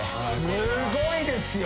すごいですよ！